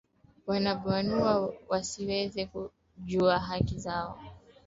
wana banua wasiwezi kujua haki zao au unadhani kwamba